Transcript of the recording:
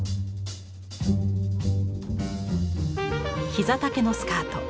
膝丈のスカート。